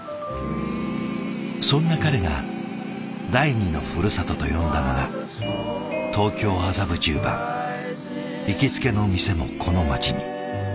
そんな彼が第二のふるさとと呼んだのが行きつけの店もこの街に。